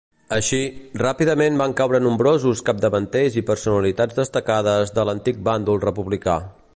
Així, ràpidament van caure nombrosos capdavanters i personalitats destacades de l'antic bàndol republicà.